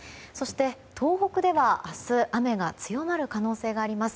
東北では明日雨が強まる可能性があります。